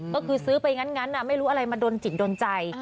ก็คือซื้อไปงั้นไม่รู้อะไรมาโดนจิตโดนใจ